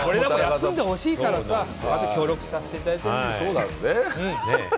休んでほしいからさ、協力させていただいてます。